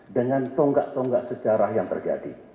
dengan tonggak tonggak sejarah yang terjadi